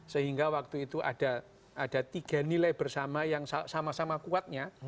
sehingga waktu itu ada tiga nilai bersama yang sama sama kuatnya